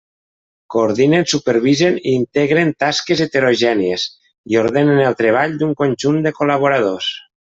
Coordinen, supervisen i integren tasques heterogènies i ordenen el treball d'un conjunt de col·laboradors.